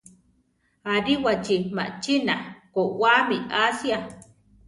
Aríwachi machína koʼwáami asia.